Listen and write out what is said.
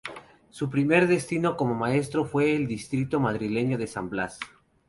Su primer destino como maestro fue en el distrito madrileño de San Blas.